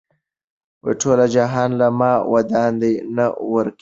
ټول جهان له ما ودان دی نه ورکېږم